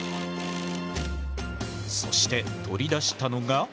そして取り出したのが。